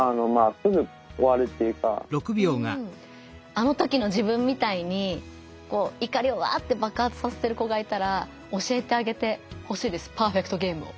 あの時の自分みたいに怒りをワッて爆発させてる子がいたら教えてあげてほしいです「パーフェクトゲーム」を。